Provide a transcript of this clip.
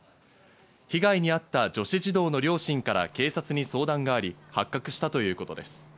被害に遭った女子児童の両親から警察に相談があり発覚したということです。